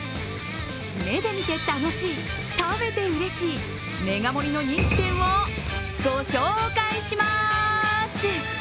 目で見て楽しい、食べてうれしい、メガ盛りの人気店をご紹介しまーす！